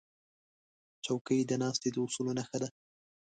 چوکۍ د ناستې د اصولو نښه ده.